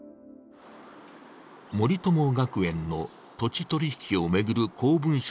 森友学園の土地取引を巡る公文書